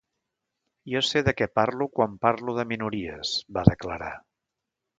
Jo sé de què parlo quan parlo de minories, va declarar.